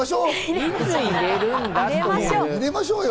入れましょう。